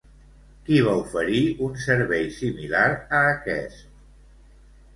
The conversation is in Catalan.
Qui va oferir un servei similar a aquest?